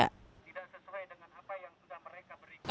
tidak sesuai dengan apa yang sudah mereka berikan